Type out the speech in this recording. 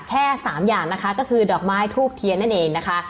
แค่สามอย่างนะคะก็คือดอกไม้ทูบเทียนนั่นเองนะคะ